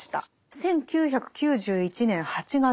１９９１年８月。